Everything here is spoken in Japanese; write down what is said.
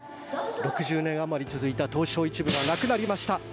６０年あまり続いた東証１部ではなくなりました。